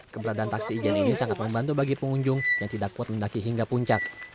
keberadaan taksi ijen ini sangat membantu bagi pengunjung yang tidak kuat mendaki hingga puncak